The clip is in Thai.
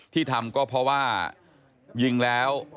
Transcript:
ที่ทำก็เพราะว่ายิงแล้ว